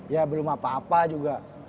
ya belum apa apa juga